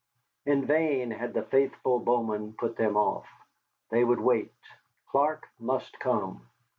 In vain had the faithful Bowman put them off. They would wait. Clark must come.